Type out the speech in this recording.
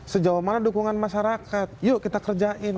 sejauh mana dukungan masyarakat yuk kita kerjain